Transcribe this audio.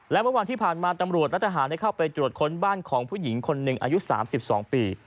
และเมื่อวันที่ผ่านมาตำรวจและทหารได้เข้าไปตรวจค้นบ้านของผู้หญิงคนหนึ่งอายุ๓๒ปี